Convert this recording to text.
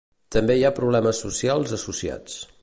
També hi ha problemes socials associats.